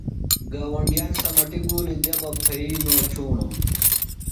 گاونڈیِان سمٹیۡ گُولیۡ دےۡ بہ پھوئی نو چُھوݨوۡ۔